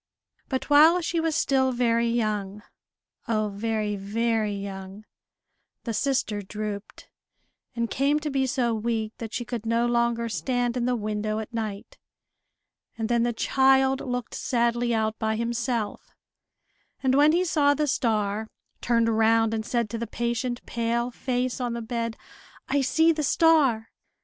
But while she was still very young, oh very, very young, the sister drooped, and came to be so weak that she could no longer stand in the window at night; and then the child looked sadly out by himself, and when he saw the star, turned round and said to the patient pale face on the bed, "I see the star!"